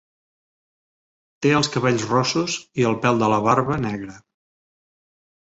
Té els cabells rossos i el pèl de la barba negre.